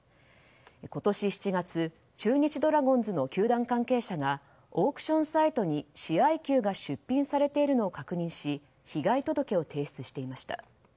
今年７月中日ドラゴンズの球団関係者がオークションサイトに試合球が出品されているのを確認し被害届を提出していました。